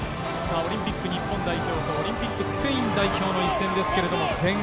オリンピック日本代表とオリンピックスペイン代表の一戦です。